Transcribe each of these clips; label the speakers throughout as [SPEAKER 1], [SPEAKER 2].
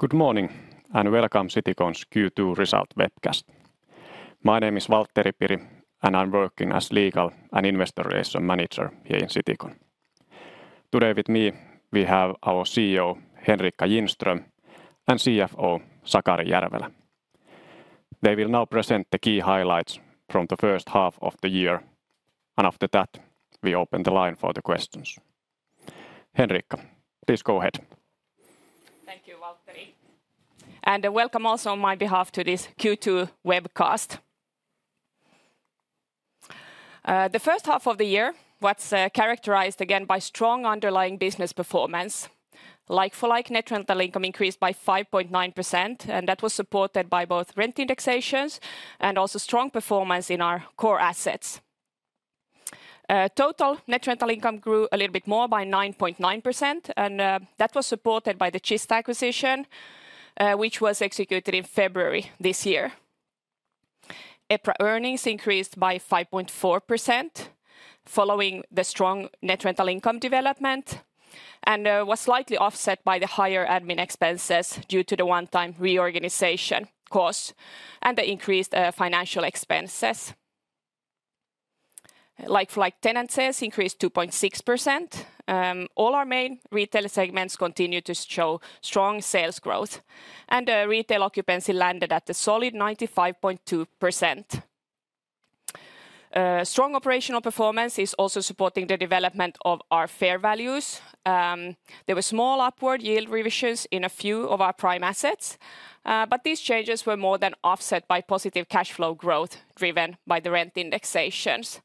[SPEAKER 1] Good morning, and welcome to Citycon's Q2 Result Webcast. My name is Valtteri Piri, and I'm working as Legal and Investor Relations Manager here in Citycon. Today with me, we have our CEO, Henrica Ginström, and CFO, Sakari Järvelä. They will now present the key highlights from the first half of the year, and after that, we open the line for the questions. Henrica, please go ahead.
[SPEAKER 2] Thank you, Valtteri. And welcome also on my behalf to this Q2 webcast. The first half of the year was characterized again by strong underlying business performance. Like-for-like net rental income increased by 5.9%, and that was supported by both rent indexations and also strong performance in our core assets. Total net rental income grew a little bit more by 9.9%, and that was supported by the Kista acquisition, which was executed in February this year. EPRA earnings increased by 5.4%, following the strong net rental income development, and was slightly offset by the higher admin expenses due to the one-time reorganization costs and the increased financial expenses. Like-for-like tenant sales increased 2.6%. All our main retail segments continue to show strong sales growth, and retail occupancy landed at a solid 95.2%. Strong operational performance is also supporting the development of our fair values. There were small upward yield revisions in a few of our prime assets, but these changes were more than offset by positive cash flow growth driven by the rent indexations.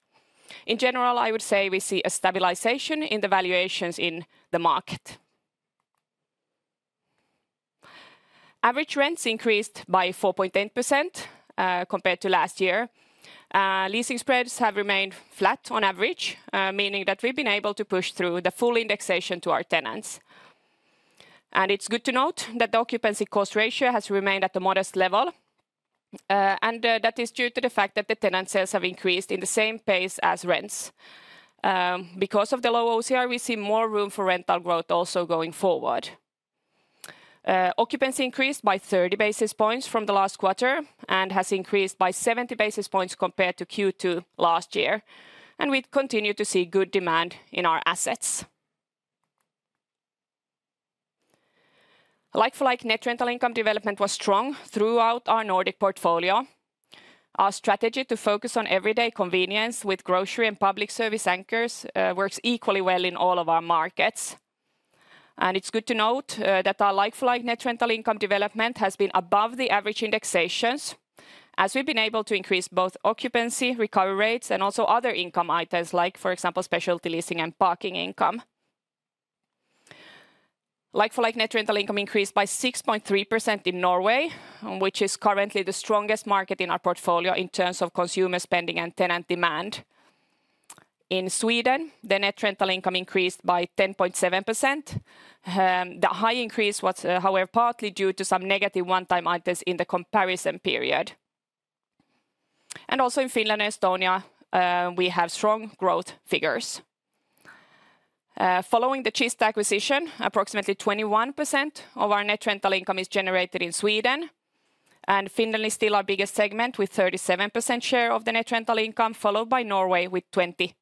[SPEAKER 2] In general, I would say we see a stabilization in the valuations in the market. Average rents increased by 4.8%, compared to last year. Leasing spreads have remained flat on average, meaning that we've been able to push through the full indexation to our tenants. It's good to note that the occupancy cost ratio has remained at a modest level, and that is due to the fact that the tenant sales have increased in the same pace as rents. Because of the low OCR, we see more room for rental growth also going forward. Occupancy increased by 30 basis points from the last quarter and has increased by 70 basis points compared to Q2 last year, and we continue to see good demand in our assets. Like-for-like net rental income development was strong throughout our Nordic portfolio. Our strategy to focus on everyday convenience with grocery and public service anchors works equally well in all of our markets. It's good to note that our like-for-like net rental income development has been above the average indexations, as we've been able to increase both occupancy, recovery rates, and also other income items, like, for example, specialty leasing and parking income. Like-for-like net rental income increased by 6.3% in Norway, which is currently the strongest market in our portfolio in terms of consumer spending and tenant demand. In Sweden, the net rental income increased by 10.7%. The high increase was, however, partly due to some negative one-time items in the comparison period. Also in Finland and Estonia, we have strong growth figures. Following the Kista acquisition, approximately 21% of our net rental income is generated in Sweden, and Finland is still our biggest segment, with 37% share of the net rental income, followed by Norway with 28%.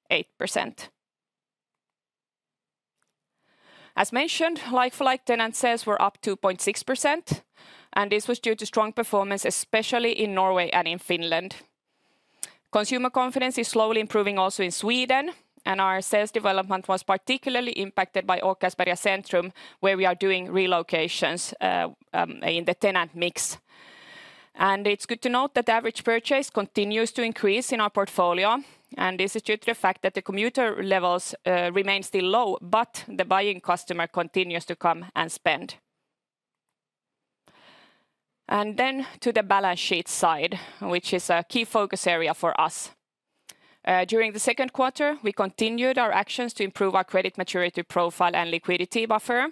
[SPEAKER 2] As mentioned, like-for-like tenant sales were up 2.6%, and this was due to strong performance, especially in Norway and in Finland. Consumer confidence is slowly improving also in Sweden, and our sales development was particularly impacted by Åkersberga Centrum, where we are doing relocations in the tenant mix. And it's good to note that the average purchase continues to increase in our portfolio, and this is due to the fact that the commuter levels remain still low, but the buying customer continues to come and spend. And then to the balance sheet side, which is a key focus area for us. During the Q2, we continued our actions to improve our credit maturity profile and liquidity buffer.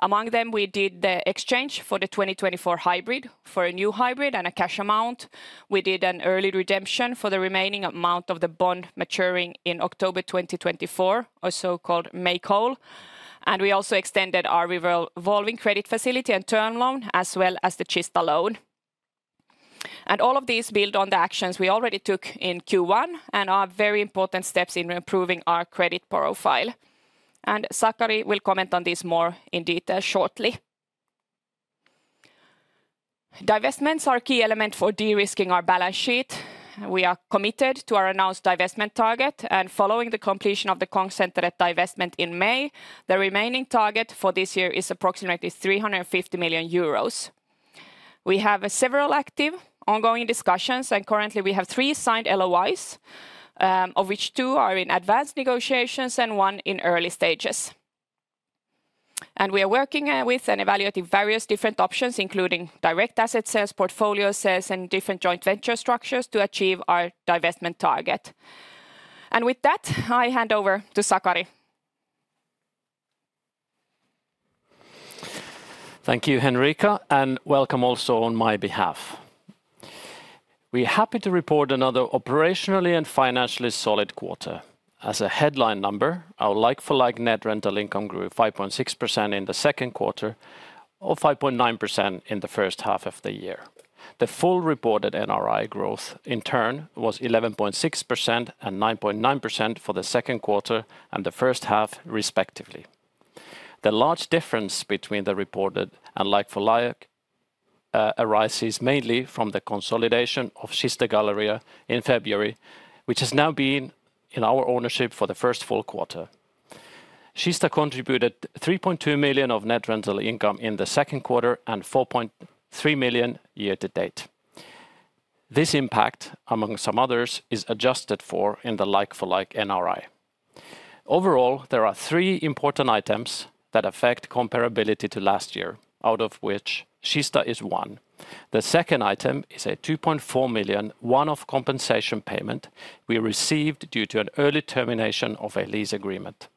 [SPEAKER 2] Among them, we did the exchange for the 2024 hybrid for a new hybrid and a cash amount. We did an early redemption for the remaining amount of the bond maturing in October 2024, or so-called May call, and we also extended our revolving credit facility and term loan, as well as the Kista loan. And all of these build on the actions we already took in Q1 and are very important steps in improving our credit profile, and Sakari will comment on this more in detail shortly. Divestments are a key element for de-risking our balance sheet. We are committed to our announced divestment target, and following the completion of the Kongssenteret divestment in May, the remaining target for this year is approximately 350 million euros. We have several active ongoing discussions, and currently, we have three signed LOIs, of which two are in advanced negotiations and one in early stages. And we are working with and evaluating various different options, including direct asset sales, portfolio sales, and different joint venture structures to achieve our divestment target. And with that, I hand over to Sakari.
[SPEAKER 3] Thank you, Henrica, and welcome also on my behalf. We're happy to report another operationally and financially solid quarter. As a headline number, our like-for-like net rental income grew 5.6% in the Q2, or 5.9% in the first half of the year. The full reported NRI growth, in turn, was 11.6% and 9.9% for the Q2 and the first half, respectively. The large difference between the reported and like-for-like arises mainly from the consolidation of Kista Galleria in February, which has now been in our ownership for the first full quarter. Kista contributed 3.2 million of net rental income in the Q2 and 4.3 million year to date. This impact, among some others, is adjusted for in the like-for-like NRI. Overall, there are three important items that affect comparability to last year, out of which Kista is one. The second item is a 2.4 million, one-off compensation payment we received due to an early termination of a lease agreement.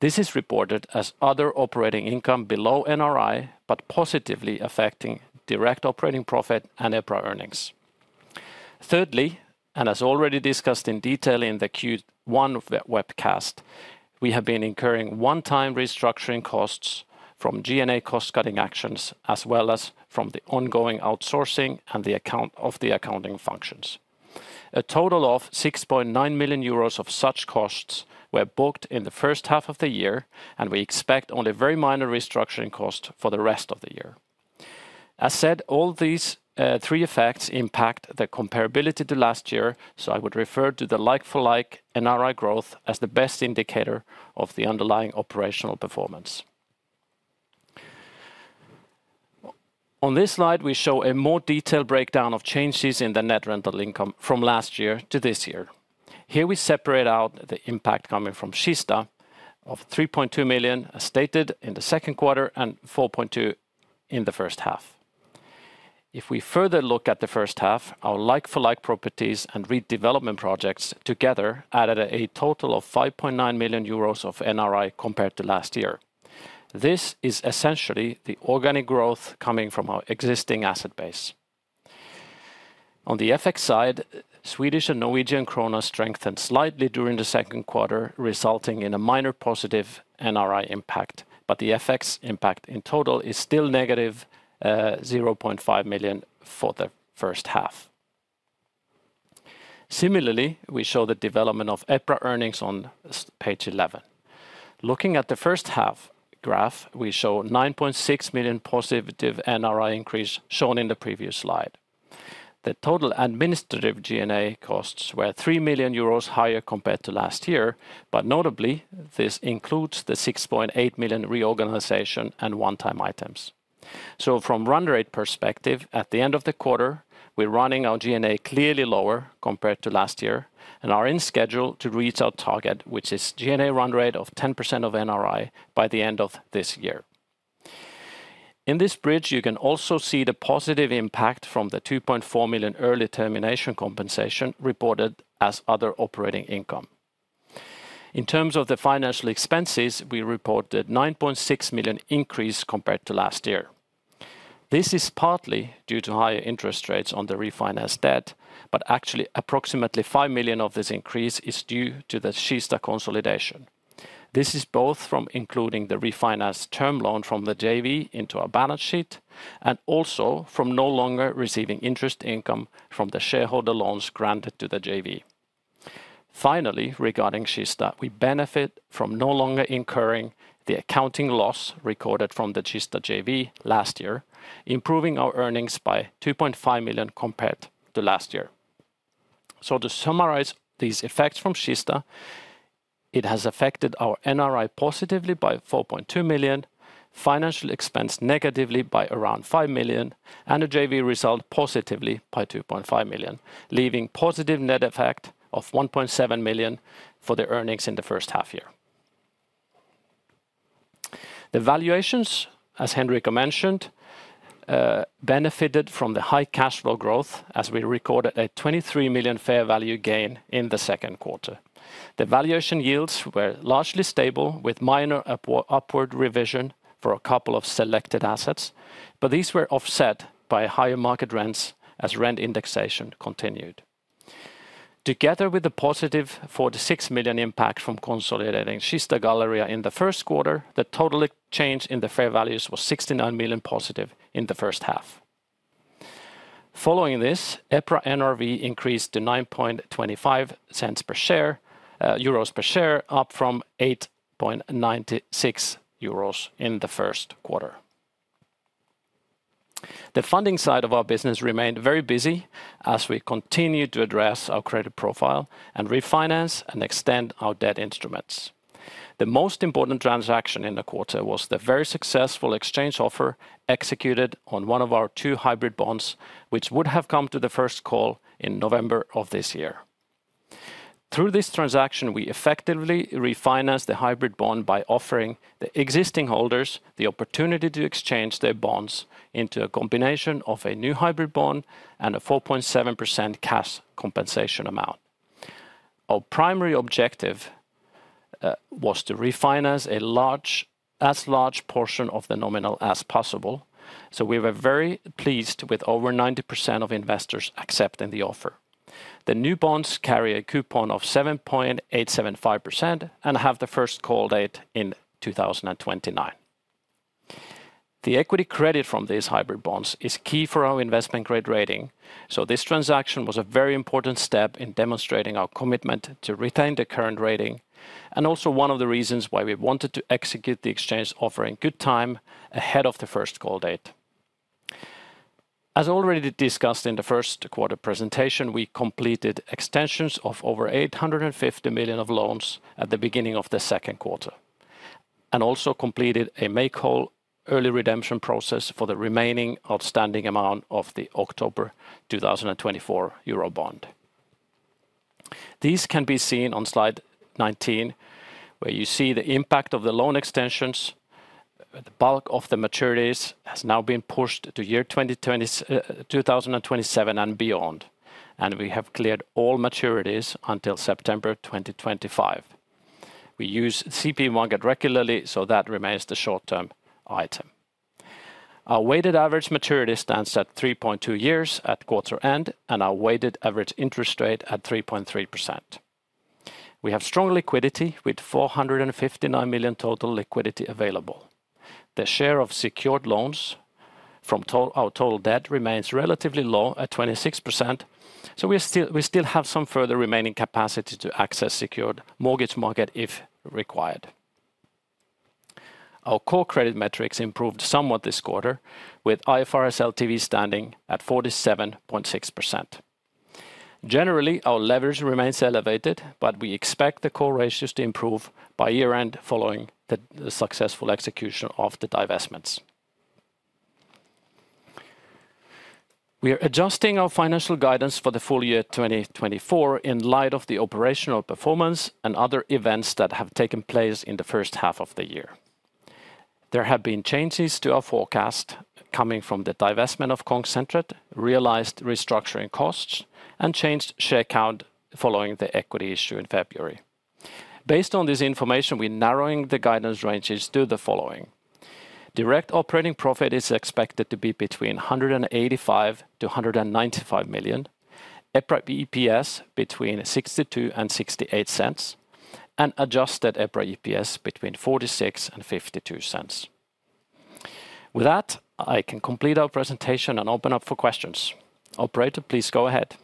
[SPEAKER 3] This is reported as other operating income below NRI, but positively affecting direct operating profit and EPRA earnings. Thirdly, and as already discussed in detail in the Q1 webcast, we have been incurring one-time restructuring costs from G&A cost-cutting actions, as well as from the ongoing outsourcing and the account of the accounting functions. A total of 6.9 million euros of such costs were booked in the first half of the year, and we expect only very minor restructuring cost for the rest of the year. As said, all these three effects impact the comparability to last year, so I would refer to the like-for-like NRI growth as the best indicator of the underlying operational performance. On this slide, we show a more detailed breakdown of changes in the net rental income from last year to this year. Here we separate out the impact coming from Kista of 3.2 million, as stated in the Q2, and 4.2 million in the first half. If we further look at the first half, our like-for-like properties and redevelopment projects together added a total of 5.9 million euros of NRI compared to last year. This is essentially the organic growth coming from our existing asset base. On the FX side, Swedish and Norwegian kroner strengthened slightly during the Q2, resulting in a minor positive NRI impact, but the FX impact in total is still negative, 0.5 million for the first half. Similarly, we show the development of EPRA earnings on page eleven. Looking at the first half graph, we show 9.6 million positive NRI increase shown in the previous slide. The total administrative G&A costs were 3 million euros higher compared to last year, but notably, this includes the 6.8 million reorganization and one-time items. So from run rate perspective, at the end of the quarter, we're running our G&A clearly lower compared to last year and are in schedule to reach our target, which is G&A run rate of 10% of NRI by the end of this year. In this bridge, you can also see the positive impact from the 2.4 million early termination compensation reported as other operating income. In terms of the financial expenses, we reported 9.6 million increase compared to last year. This is partly due to higher interest rates on the refinanced debt, but actually, approximately 5 million of this increase is due to the Kista consolidation. This is both from including the refinanced term loan from the JV into our balance sheet, and also from no longer receiving interest income from the shareholder loans granted to the JV. Finally, regarding Kista, we benefit from no longer incurring the accounting loss recorded from the Kista JV last year, improving our earnings by 2.5 million compared to last year. So to summarize these effects from Kista, it has affected our NRI positively by 4.2 million, financial expense negatively by around 5 million, and the JV result positively by 2.5 million, leaving positive net effect of 1.7 million for the earnings in the first half year. The valuations, as Henrica mentioned, benefited from the high cash flow growth as we recorded a 23 million fair value gain in the Q2. The valuation yields were largely stable, with minor upward revision for a couple of selected assets, but these were offset by higher market rents as rent indexation continued. Together with the positive 46 million impact from consolidating Kista Galleria in the Q1, the total change in the fair values was 69 million positive in the first half. Following this, EPRA NRV increased to 9.25 cents per share, euros per share, up from 8.96 euros in the Q1. The funding side of our business remained very busy as we continued to address our credit profile and refinance and extend our debt instruments. The most important transaction in the quarter was the very successful exchange offer executed on one of our two hybrid bonds, which would have come to the first call in November of this year. Through this transaction, we effectively refinanced the hybrid bond by offering the existing holders the opportunity to exchange their bonds into a combination of a new hybrid bond and a 4.7% cash compensation amount. Our primary objective was to refinance a large, as large portion of the nominal as possible, so we were very pleased with over 90% of investors accepting the offer. The new bonds carry a coupon of 7.875%, and have the first call date in 2029. The equity credit from these hybrid bonds is key for our investment grade rating, so this transaction was a very important step in demonstrating our commitment to retain the current rating, and also one of the reasons why we wanted to execute the exchange offer in good time ahead of the first call date. As already discussed in the Q1 presentation, we completed extensions of over 850 million of loans at the beginning of the Q2, and also completed a make-whole early redemption process for the remaining outstanding amount of the October 2024 euro bond. These can be seen on slide 19, where you see the impact of the loan extensions. The bulk of the maturities has now been pushed to the 2020s, 2027 and beyond, and we have cleared all maturities until September 2025. We use CP market regularly, so that remains the short-term item. Our weighted average maturity stands at 3.2 years at quarter end, and our weighted average interest rate at 3.3%. We have strong liquidity, with 459 million total liquidity available. The share of secured loans from our total debt remains relatively low at 26%, so we still have some further remaining capacity to access secured mortgage market if required. Our core credit metrics improved somewhat this quarter, with IFRS LTV standing at 47.6%. Generally, our leverage remains elevated, but we expect the core ratios to improve by year-end, following the successful execution of the divestments. We are adjusting our financial guidance for the full year 2024 in light of the operational performance and other events that have taken place in the first half of the year. There have been changes to our forecast coming from the divestment of Kongssenteret, realized restructuring costs, and changed share count following the equity issue in February. Based on this information, we're narrowing the guidance ranges to the following: Direct Operating Profit is expected to be between 185 million to 195 million, EPRA EPS between 0.62 and 0.68, and Adjusted EPRA EPS between 0.46 and 0.52. With that, I can complete our presentation and open up for questions. Operator, please go ahead.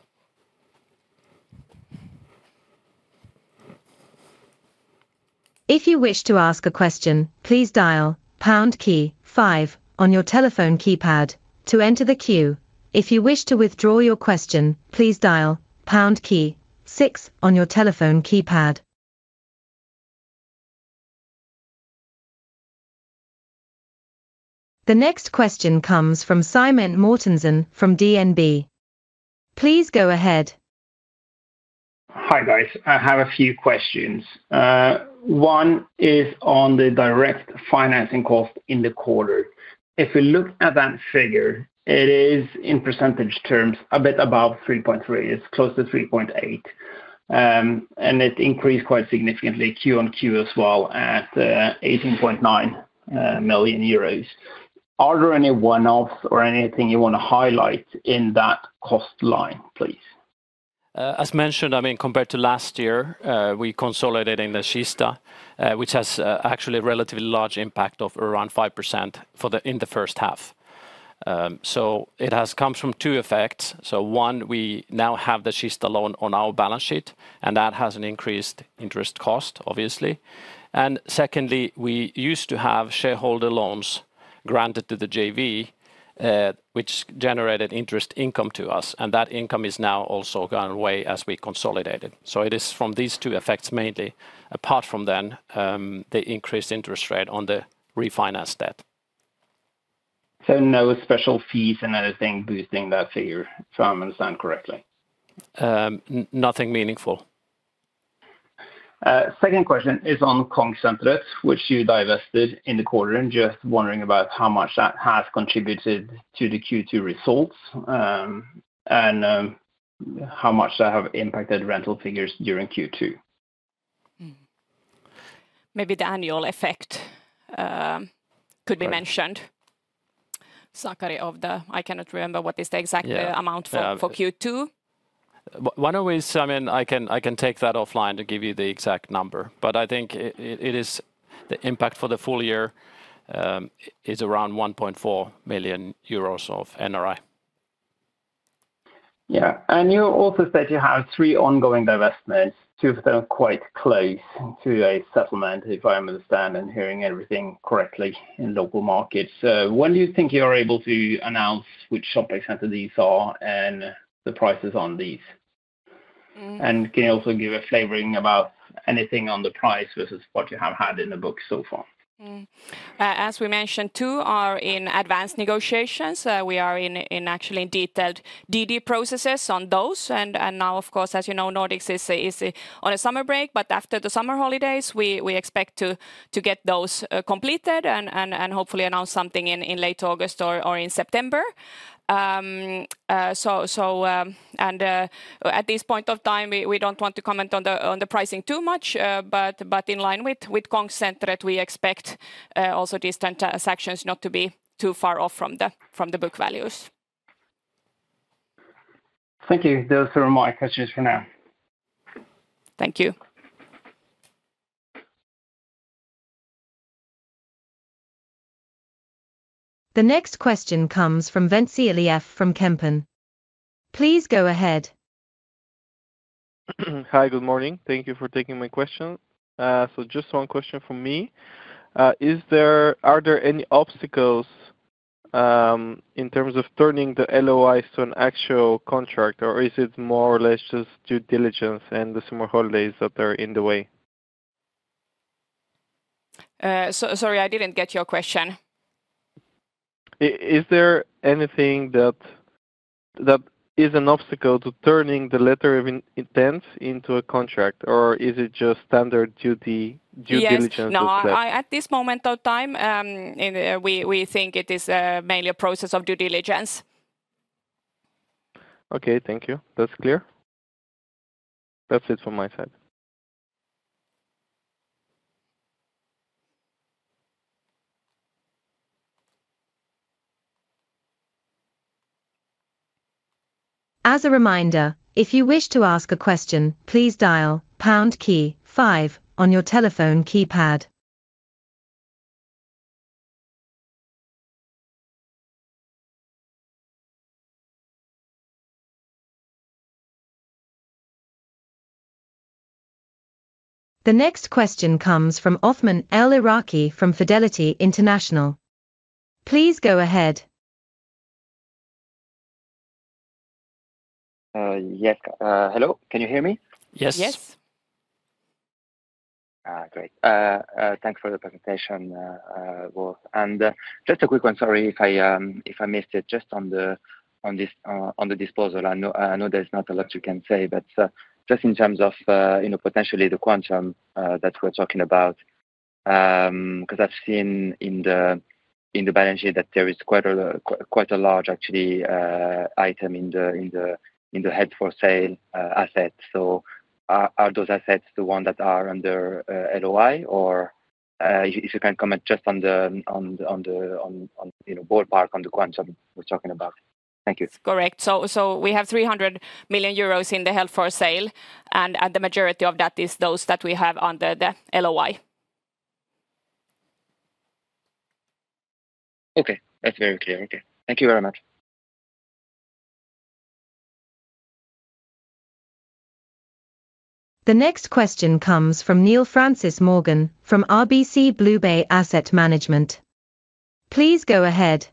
[SPEAKER 4] If you wish to ask a question, please dial pound key five on your telephone keypad to enter the queue. If you wish to withdraw your question, please dial pound key six on your telephone keypad. The next question comes from Simen Mortensen from DNB. Please go ahead.
[SPEAKER 5] Hi, guys. I have a few questions. One is on the direct financing cost in the quarter. If we look at that figure, it is, in percentage terms, a bit above 3.3%. It's close to 3.8%. And it increased quite significantly Q on Q as well, at 18.9 million euros. Are there any one-offs or anything you want to highlight in that cost line, please?
[SPEAKER 3] As mentioned, I mean, compared to last year, we consolidated in the Kista, which has, actually a relatively large impact of around 5% for the... in the first half. So it has comes from two effects. So one, we now have the Kista loan on our balance sheet, and that has an increased interest cost, obviously. And secondly, we used to have shareholder loans granted to the JV, which generated interest income to us, and that income is now also gone away as we consolidated. So it is from these two effects, mainly. Apart from then, the increased interest rate on the refinanced debt.
[SPEAKER 5] No special fees and anything boosting that figure, if I understand correctly?
[SPEAKER 3] Nothing meaningful.
[SPEAKER 5] Second question is on Kongssenteret, which you divested in the quarter, and just wondering about how much that has contributed to the Q2 results, and how much that have impacted rental figures during Q2?
[SPEAKER 2] Maybe the annual effect could be mentioned.
[SPEAKER 5] Right...
[SPEAKER 2] Sakari, of the, I cannot remember what is the exact-
[SPEAKER 3] Yeah
[SPEAKER 2] - amount for Q2.
[SPEAKER 3] Why don't we... Simen, I can take that offline to give you the exact number, but I think it is the impact for the full year is around 1.4 million euros of NRI.
[SPEAKER 5] Yeah, and you also said you have three ongoing divestments. Two of them quite close to a settlement, if I understand and hearing everything correctly, in local markets. When do you think you are able to announce which shopping centers these are, and the prices on these?
[SPEAKER 2] Mm.
[SPEAKER 5] Can you also give a flavoring about anything on the price versus what you have had in the books so far?
[SPEAKER 2] As we mentioned, two are in advanced negotiations. We are actually in detailed DD processes on those, and now, of course, as you know, Nordics is on a summer break. But after the summer holidays, we expect to get those completed, and hopefully announce something in late August or in September. At this point of time, we don't want to comment on the pricing too much. But in line with Kongssenteret, we expect also these transactions not to be too far off from the book values....
[SPEAKER 5] Thank you. Those are all my questions for now.
[SPEAKER 2] Thank you.
[SPEAKER 4] The next question comes from Venti Elief from Kempen. Please go ahead.
[SPEAKER 6] Hi, good morning. Thank you for taking my question. So just one question from me. Are there any obstacles in terms of turning the LOIs to an actual contract, or is it more or less just due diligence and the summer holidays that are in the way?
[SPEAKER 2] Sorry, I didn't get your question.
[SPEAKER 6] Is there anything that is an obstacle to turning the letter of intent into a contract, or is it just standard due diligence as such?
[SPEAKER 2] Yes. No, I, at this moment of time, we think it is mainly a process of due diligence.
[SPEAKER 6] Okay, thank you. That's clear. That's it from my side.
[SPEAKER 4] As a reminder, if you wish to ask a question, please dial pound key five on your telephone keypad. The next question comes from Othman El Iraki from Fidelity International. Please go ahead.
[SPEAKER 7] Yes. Hello, can you hear me?
[SPEAKER 2] Yes.
[SPEAKER 4] Yes.
[SPEAKER 7] Great. Thanks for the presentation, both. And just a quick one, sorry, if I missed it, just on this disposal. I know there's not a lot you can say, but just in terms of you know, potentially the quantum that we're talking about. 'Cause I've seen in the balance sheet that there is quite a quite a large actually item in the held for sale assets. So are those assets the one that are under LOI? Or if you can comment just on the you know, ballpark on the quantum we're talking about. Thank you.
[SPEAKER 2] Correct. So we have 300 million euros in the held for sale, and the majority of that is those that we have under the LOI.
[SPEAKER 7] Okay. That's very clear. Okay. Thank you very much.
[SPEAKER 4] The next question comes from Neil Morgan, from RBC BlueBay Asset Management. Please go ahead.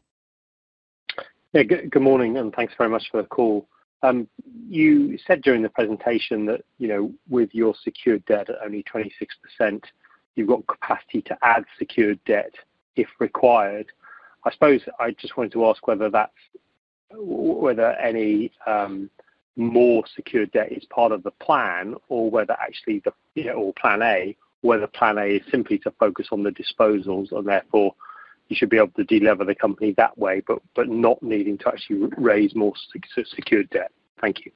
[SPEAKER 8] Yeah, good morning, and thanks very much for the call. You said during the presentation that, you know, with your secured debt at only 26%, you've got capacity to add secured debt if required. I suppose I just wanted to ask whether that's whether any more secured debt is part of the plan, or whether actually the, you know, or plan A, whether plan A is simply to focus on the disposals, and therefore you should be able to de-lever the company that way, but not needing to actually raise more secured debt. Thank you.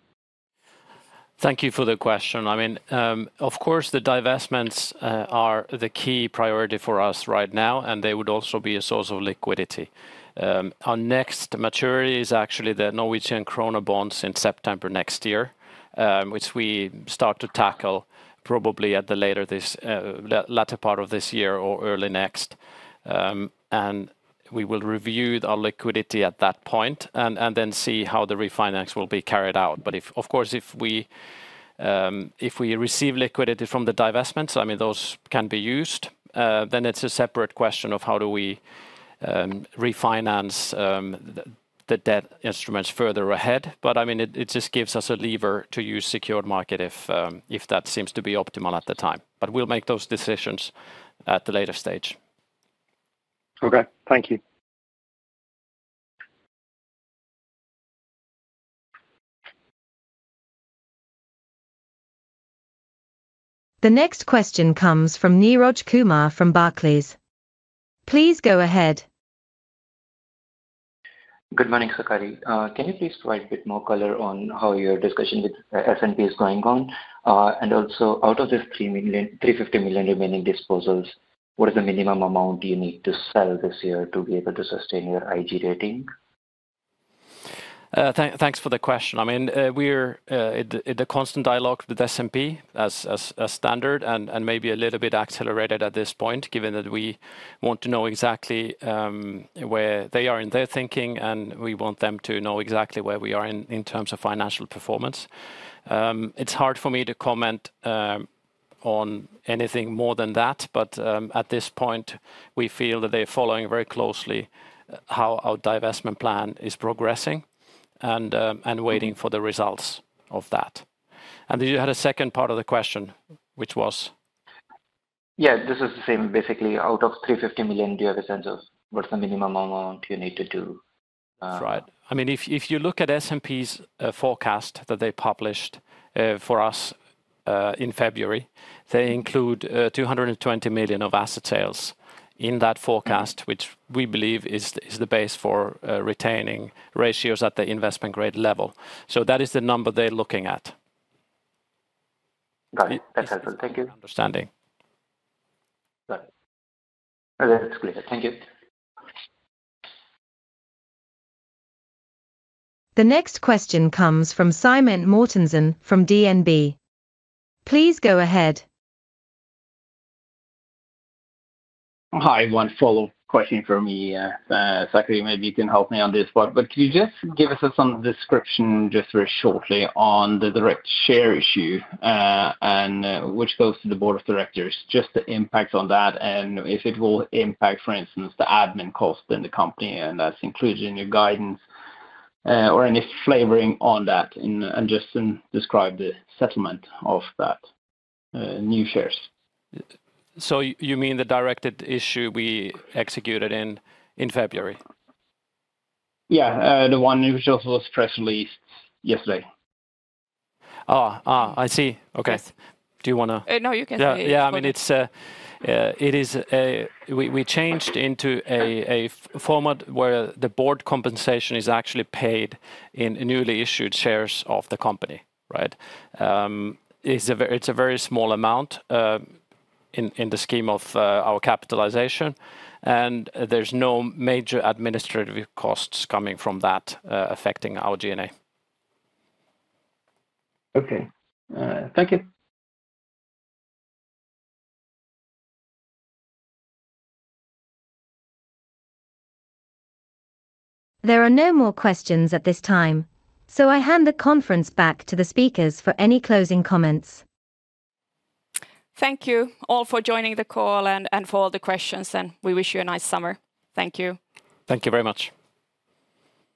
[SPEAKER 3] Thank you for the question. I mean, of course, the divestments are the key priority for us right now, and they would also be a source of liquidity. Our next maturity is actually the Norwegian kroner bonds in September next year, which we start to tackle probably at the latter part of this year or early next. And we will review our liquidity at that point, and then see how the refinance will be carried out. But if, of course, if we receive liquidity from the divestments, I mean, those can be used. Then it's a separate question of how do we refinance the debt instruments further ahead. But, I mean, it just gives us a lever to use secured market if that seems to be optimal at the time, but we'll make those decisions at the later stage.
[SPEAKER 8] Okay. Thank you.
[SPEAKER 4] The next question comes from Neeraj Kumar from Barclays. Please go ahead.
[SPEAKER 9] Good morning, Sakari. Can you please provide a bit more color on how your discussion with S&P is going on? And also, out of this 3 million, 350 million remaining disposals, what is the minimum amount you need to sell this year to be able to sustain your IG rating?
[SPEAKER 3] Thanks for the question. I mean, we're in constant dialogue with S&P as standard and maybe a little bit accelerated at this point, given that we want to know exactly where they are in their thinking, and we want them to know exactly where we are in terms of financial performance. It's hard for me to comment on anything more than that, but at this point, we feel that they're following very closely how our divestment plan is progressing and waiting for the results of that. And you had a second part of the question, which was?
[SPEAKER 9] Yeah, this is the same. Basically, out of 350 million, do you have a sense of what's the minimum amount you need to do?
[SPEAKER 3] Right. I mean, if you look at S&P's forecast that they published for us in February, they include 220 million of asset sales in that forecast which we believe is the base for retaining ratios at the investment grade level. So that is the number they're looking at.
[SPEAKER 9] Got it. That's helpful. Thank you.
[SPEAKER 3] Understanding.
[SPEAKER 9] Bye. That's clear. Thank you.
[SPEAKER 4] The next question comes from Simen Mortensen from DNB. Please go ahead.
[SPEAKER 5] Hi, one follow-up question from me. Sakari, maybe you can help me on this part, but can you just give us some description, just very shortly, on the direct share issue, and which goes to the board of directors, just the impact on that, and if it will impact, for instance, the admin cost in the company, and that's included in your guidance, or any flavoring on that, and just describe the settlement of that, new shares?
[SPEAKER 3] You mean the directed issue we executed in February?
[SPEAKER 5] Yeah, the one which also was press released yesterday.
[SPEAKER 3] Oh, oh, I see. Okay.
[SPEAKER 2] Yes.
[SPEAKER 3] Do you wanna-
[SPEAKER 2] No, you can say it.
[SPEAKER 3] Yeah, I mean, it is a... We changed into a format where the board compensation is actually paid in newly issued shares of the company, right? It's a very small amount in the scheme of our capitalization, and there's no major administrative costs coming from that affecting our G&A.
[SPEAKER 5] Okay. Thank you.
[SPEAKER 4] There are no more questions at this time, so I hand the conference back to the speakers for any closing comments.
[SPEAKER 2] Thank you all for joining the call and for all the questions, and we wish you a nice summer. Thank you.
[SPEAKER 3] Thank you very much.